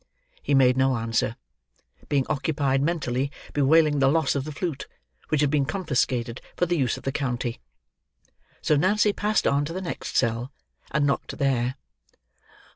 He made no answer: being occupied mentally bewailing the loss of the flute, which had been confiscated for the use of the county: so Nancy passed on to the next cell, and knocked there.